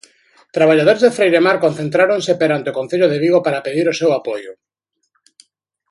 Traballadores de Freiremar concentráronse perante o Concello de Vigo para pedir o seu apoio.